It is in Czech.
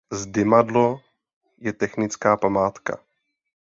Zdymadlo je technická památka.